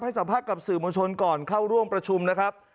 สัมภาษณ์กับสื่อมวลชนก่อนเข้าร่วมประชุมนะครับ